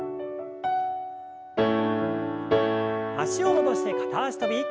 脚を戻して片脚跳び。